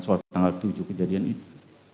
soal tanggal tujuh kejadian itu